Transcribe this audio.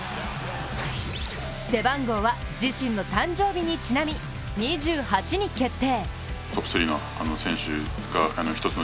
背番号は自身の誕生日にちなみ２８に決定。